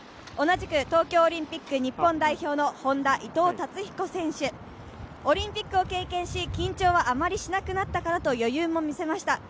同じく東京オリンピック日本代表のＨｏｎｄａ・伊藤達彦選手、オリンピックを経験し、緊張はあまりしなくなったかなと余裕も見せました。